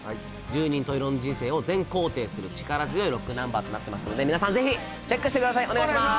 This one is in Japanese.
十人十色の人生を全肯定する力強いロックナンバーとなってますので皆さんぜひチェックしてくださいお願いします